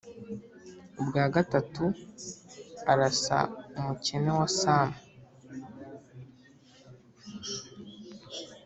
ubwa gatatu arasa umukene sam,